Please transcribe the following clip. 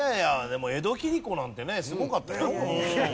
でも江戸切子なんてねすごかったよ。